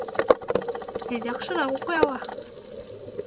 Һеҙ яҡшыраҡ уҡый алаһығыҙ